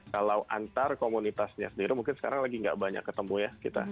kalau antar komunitasnya sendiri mungkin sekarang lagi gak banyak ketemu ya